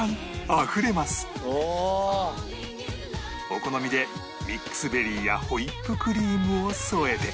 お好みでミックスベリーやホイップクリームを添えて